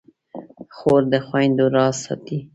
خور د خویندو راز ساتي.